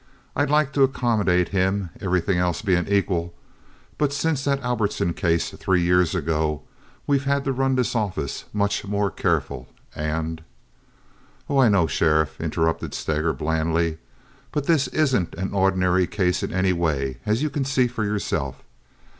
"I'd like to accommodate him, everything else being equal, but since that Albertson case three years ago we've had to run this office much more careful, and—" "Oh, I know, Sheriff," interrupted Steger, blandly, "but this isn't an ordinary case in any way, as you can see for yourself.